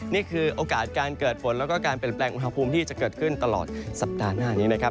นี่คือโอกาสการเกิดฝนแล้วก็การเปลี่ยนแปลงอุณหภูมิที่จะเกิดขึ้นตลอดสัปดาห์หน้านี้นะครับ